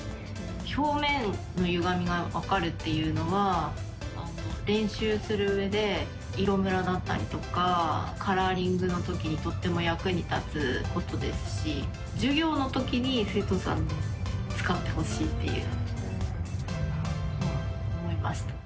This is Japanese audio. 表面のゆがみが分かるっていうのは、練習するうえで、色むらだったりとか、カラーリングのときにとっても役に立つこつですし、授業のときに生徒さんに使ってほしいっていう、思いました。